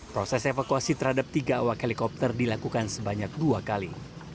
proses evakuasi terhadap tiga awak helikopter dilakukan sebanyak dua kali